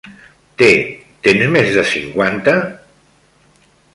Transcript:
Té, tens més de cinquanta?